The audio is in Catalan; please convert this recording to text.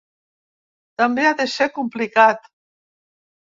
També ha de ser complicat.